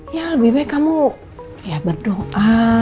ya lebih baik kamu ya berdoa